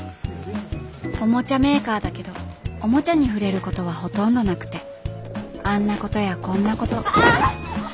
おもちゃメーカーだけどおもちゃに触れることはほとんどなくてあんなことやこんなことああっ！